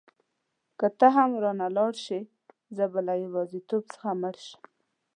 که ته هم رانه ولاړه شې زه به له یوازیتوب څخه مړ شم.